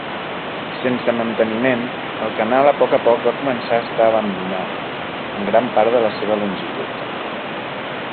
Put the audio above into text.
Sense manteniment, el canal a poc a poc va començar a estar abandonat en gran part de la seva longitud.